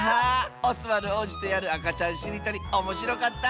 オスワルおうじとやる「あかちゃんしりとり」おもしろかった。